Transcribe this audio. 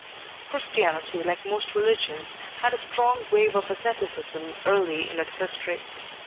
Christianity, like most religions, had a strong wave of asceticism early in its history.